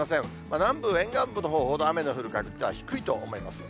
南部、沿岸部のほうほど雨の降る確率は低いと思います。